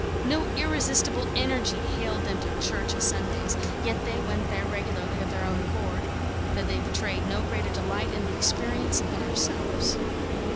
No irresistible Energy haled them to church o' Sundays; yet they went there regularly of their own accord, though they betrayed no greater delight in the experience than ourselves.